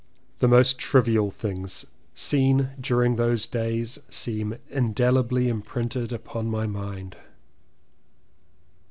The most trivial things seen during those days seem indelibly imprinted upon my mind.